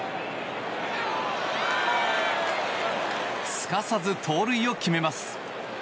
すかさず盗塁を決めます。